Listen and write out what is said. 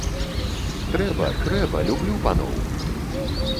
Трэба, трэба, люблю паноў!